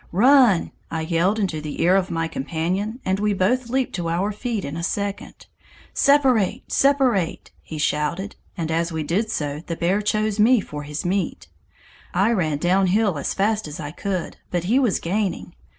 "'Run!' I yelled into the ear of my companion, and we both leaped to our feet in a second. 'Separate! separate!' he shouted, and as we did so, the bear chose me for his meat. I ran downhill as fast as I could, but he was gaining.